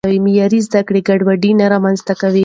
معیاري زده کړه ګډوډي نه رامنځته کوي.